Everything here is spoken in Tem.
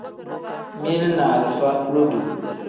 Mili ni alifa lodo.